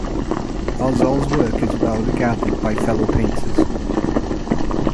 Ozols's work is well regarded by fellow painters.